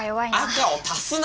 赤を足すなよ！